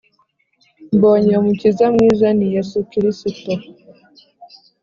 Mbonye umukiza mwiza ni yesu kirisito